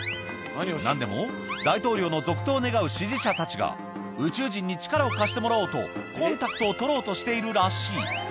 なんでも、大統領の続投を願う支持者たちが、宇宙人に力を貸してもらおうと、コンタクトを取ろうとしているらしい。